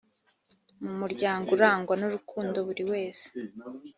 mu muryango urangwa n urukundo buri wese